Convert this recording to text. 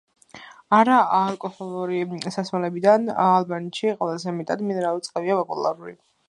არა ალკოჰოლური სასმელებიდან ალბანეთში ყველაზე მეტად მინერალური წყლებია პოპულარული.